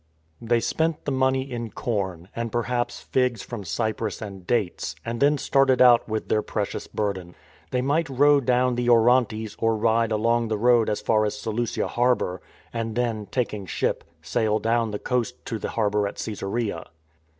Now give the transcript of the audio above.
They spent the money in corn, and perhaps figs from Cyprus and dates, and then started out with their precious burden. They might row down the * The Teaching of the Twelve. THE CALL ABROAD 111 Orontes or ride along the road as far as Seleucia harbour, and then (taking ship) sail down the coast to the harbour at Caesarea.